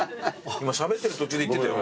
今しゃべってる途中でいってたよ。